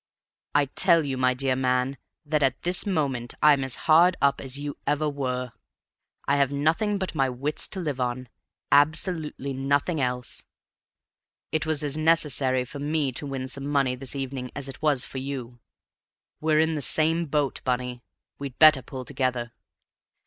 I tell you, my dear man, that at this moment I'm as hard up as you ever were. I have nothing but my wits to live on absolutely nothing else. It was as necessary for me to win some money this evening as it was for you. We're in the same boat, Bunny; we'd better pull together."